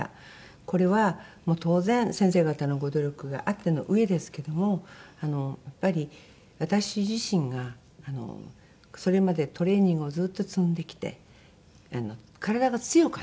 これはもう当然先生方のご努力があってのうえですけどもやっぱり私自身がそれまでトレーニングをずっと積んできて体が強かった。